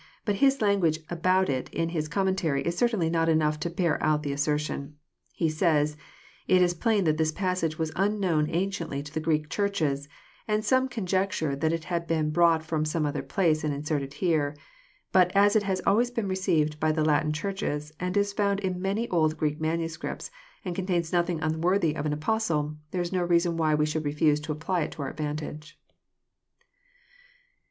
But his language about it in his Commentary is certainly not enough to bear out the assertion. He says, It is plain that this passage was unknown anciently to the Greek Churches ; and some conjecture that it has been brought from some other place, and inserted iiere. But as it has always been received by the Latin Churches, and is found In many old Greek manuscripts, and contains nothing unworthy of an Apostle, there is no reason why we should refhse to apply it to our advantage."